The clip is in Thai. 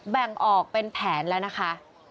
แบ่งออกเป็นแผนแล้วนะคะ